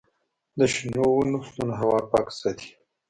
د شنو ونو شتون هوا پاکه ساتي.